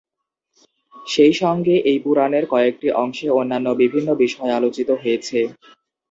সেই সঙ্গে এই পুরাণের কয়েকটি অংশে অন্যান্য বিভিন্ন বিষয় আলোচিত হয়েছে।